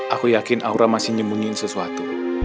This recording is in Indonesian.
aku yakin aura masih nyembungin sesuatu